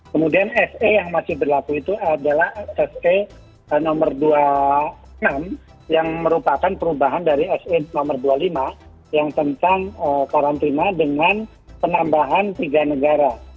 kemudian se yang masih berlaku itu adalah se nomor dua puluh enam yang merupakan perubahan dari se nomor dua puluh lima yang tentang karantina dengan penambahan tiga negara